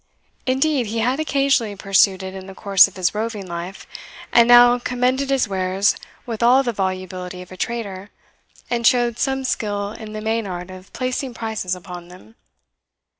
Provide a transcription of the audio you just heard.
Indeed he had occasionally pursued it in the course of his roving life, and now commended his wares with all the volubility of a trader, and showed some skill in the main art of placing prices upon them.